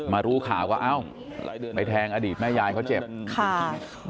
รู้ข่าวว่าเอ้าไปแทงอดีตแม่ยายเขาเจ็บค่ะ